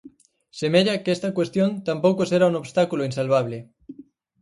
Semella que esta cuestión tampouco será un obstáculo insalvable.